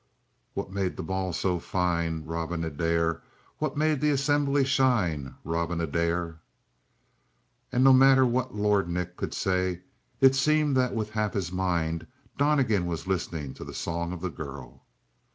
What made the ball so fine? Robin Adair! What made the assembly shine? Robin Adair! And no matter what Lord Nick could say, it seemed that with half his mind Donnegan was listening to the song of the girl.